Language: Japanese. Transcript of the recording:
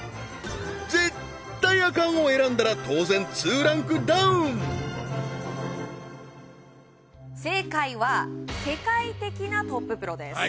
絶対アカンを選んだら当然２ランクダウン正解は世界的なトッププロです